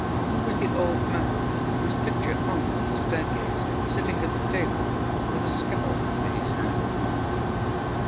Who was the old man whose picture hung on the staircase, sitting at a table, with a skull under his hand?